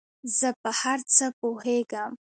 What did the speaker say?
زۀ په هر څه پوهېږم